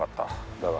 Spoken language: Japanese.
だが。